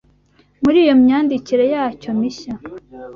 Muri iyo myandikire yacyo mishya,